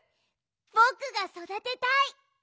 ぼくがそだてたい！